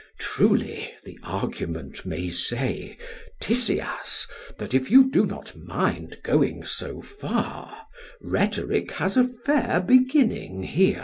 Truly, the argument may say, Tisias, that if you do not mind going so far, rhetoric has a fair beginning here.